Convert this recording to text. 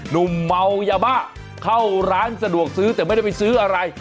เมายาบ้าเข้าร้านสะดวกซื้อแต่ไม่ได้ไปซื้ออะไร